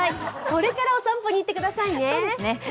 それからお散歩に行ってくださいね。